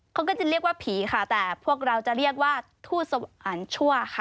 เขาก็จะเรียกว่าผีค่ะแต่พวกเราจะเรียกว่าทูตอันชั่วค่ะ